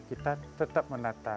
kita tetap menata